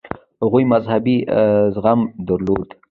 هغه مذهبي زغم درلود.